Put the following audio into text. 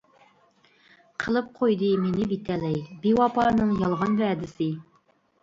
قىلىپ قويدى مېنى بىتەلەي، بىۋاپانىڭ يالغان ۋەدىسى.